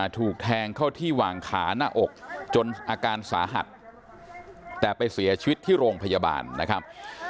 ถูกแทงเข้าที่หว่างขาหน้าอกจนอาการสาหัสแต่ไปเสียชีวิตที่โรงพยาบาลนะครับ